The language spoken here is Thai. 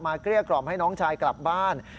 เกลี้ยกล่อมให้น้องชายกลับบ้าน